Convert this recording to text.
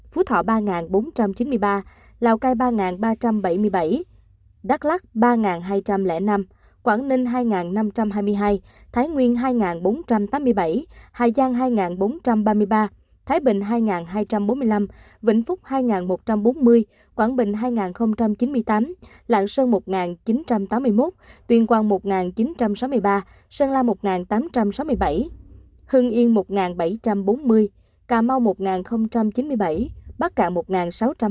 phú thọ ba bốn trăm chín mươi ba lào cai ba ba trăm bảy mươi bảy đắk lắc ba hai trăm linh năm quảng ninh hai năm trăm hai mươi hai thái nguyên hai bốn trăm tám mươi bảy hà giang hai bốn trăm ba mươi ba thái bình hai hai trăm bốn mươi năm vĩnh phúc hai một trăm bốn mươi quảng bình hai chín mươi tám lạng sơn một chín trăm tám mươi một tuyền quang một chín trăm sáu mươi ba sơn la một tám trăm sáu mươi bảy hưng yên một bảy trăm bốn mươi cà mau một chín mươi bảy đắk lắc ba hai trăm linh năm quảng ninh hai năm trăm hai mươi hai thái nguyên hai bốn trăm tám mươi bảy hải giang hai bốn trăm ba mươi ba thái bình hai hai trăm bốn mươi năm vĩnh phúc hai một trăm bốn mươi bốn quảng bình hai chín mươi tám lạng sơn một chín trăm tám mươi một tuyền quang một chín trăm sáu mươi ba sơn la một tám trăm sáu mươi bảy